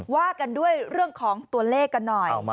ว่ากันด้วยเรื่องของตัวเลขกันหน่อย